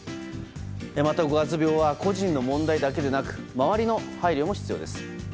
また五月病は個人の問題だけでなく周りの配慮も必要です。